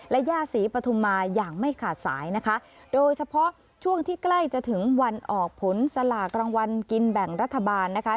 และย่าศรีปฐุมาอย่างไม่ขาดสายนะคะโดยเฉพาะช่วงที่ใกล้จะถึงวันออกผลสลากรางวัลกินแบ่งรัฐบาลนะคะ